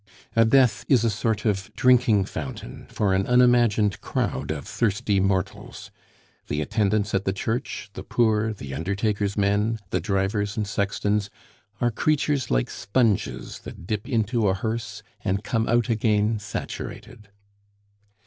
A death is a sort of drinking fountain for an unimagined crowd of thirsty mortals. The attendants at the church, the poor, the undertaker's men, the drivers and sextons, are creatures like sponges that dip into a hearse and come out again saturated.